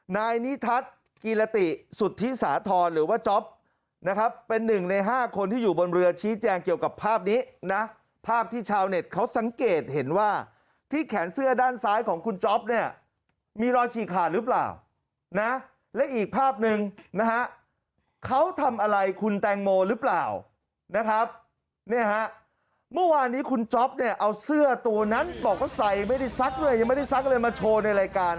นายนิทัศน์กีฬติสุธิสาธรณ์หรือว่าจ๊อปนะครับเป็น๑ใน๕คนที่อยู่บนเมืองชี้แจงเกี่ยวกับภาพนี้นะภาพที่ชาวเน็ตเขาสังเกตเห็นว่าที่แขนเสื้อด้านซ้ายของคุณจ๊อปเนี่ยมีรอยฉี่ขาดหรือเปล่านะและอีกภาพหนึ่งนะฮะเขาทำอะไร